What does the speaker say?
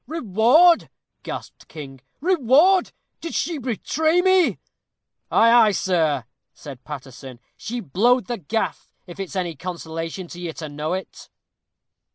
"Reward!" gasped King; "reward! Did she betray me?" "Ay, ay, sir," said Paterson, "she blowed the gaff, if it's any consolation to you to know it."